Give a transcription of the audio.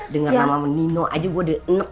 dengar nama nino aja gue denek